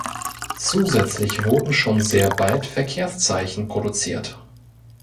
Zusätzlich wurden schon sehr bald Verkehrszeichen produziert.